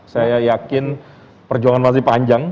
saya yakin perjuangan masih panjang